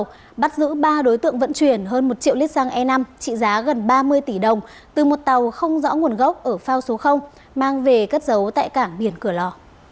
công an tỉnh nghệ an bắt giữ ba đối tượng vận chuyển hơn một triệu lít xăng e năm trị giá gần ba mươi tỷ đồng từ một tàu không rõ nguồn gốc ở phao số mang về cất dấu tại cảng biển cửa lò